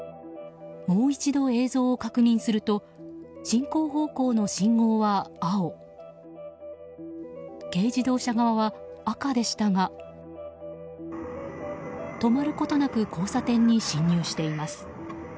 もう一度、映像を確認すると進行方向の信号は青軽自動車側は赤でしたが止まることなく交差点に進入しています。